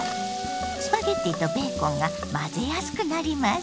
スパゲッティとベーコンが混ぜやすくなります。